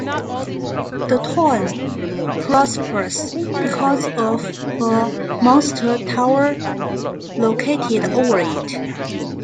The town prospers because of a Monster Tower located over it.